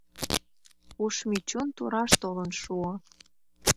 Пуш Мичун тураш толын шуо.